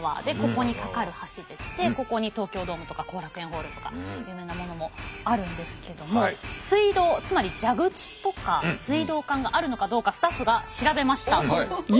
でここにかかる橋でしてここに東京ドームとか後楽園ホールとか有名なものもあるんですけども水道つまり蛇口とか水道管があるのかどうかスタッフが調べました。